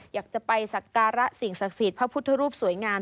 อยากจะไปสักการะสิ่งศักดิ์สิทธิ์พระพุทธรูปสวยงาม